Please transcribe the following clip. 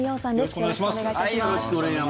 よろしくお願いします。